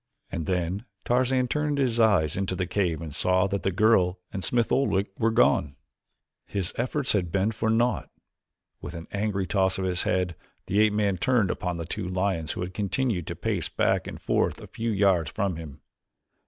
And then Tarzan turned his eyes into the cave and saw that the girl and Smith Oldwick were gone. His efforts had been for naught. With an angry toss of his head, the ape man turned upon the two lions who had continued to pace back and forth a few yards from him.